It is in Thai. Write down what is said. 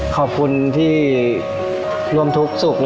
ขอบคุณที่ร่วมทุกข์สุข